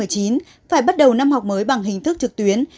phải bắt đầu năm học mới bằng hình thức trực tuyến